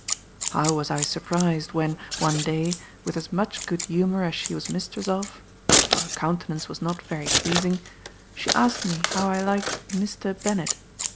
"How was I surprized when, one day, with as much good humour as she was mistress of (for her countenance was not very pleasing), she asked me how I liked Mr. Bennet?